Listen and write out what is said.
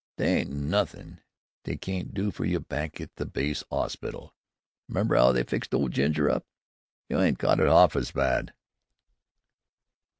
"They ain't nothin' they can't do fer you back at the base 'ospital. 'Member 'ow they fixed old Ginger up? You ain't caught it 'arf as bad!"